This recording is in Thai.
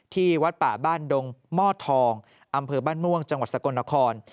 ที่วัดป่าบ้านดงหม้อทองอำเภอบ้านม่วงจังหวัดสกลนคร